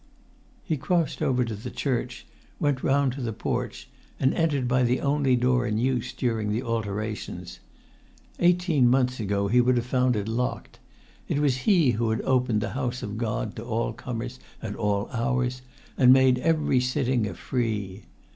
He crossed over to the church, went round to the porch, and entered by the only door in use during the alterations. Eighteen months ago he would have found it locked. It was he who had opened the House of God to all comers at all hours, and made every sitting free.